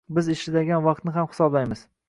biz ishlagan vaqtni ham hisoblaymiz.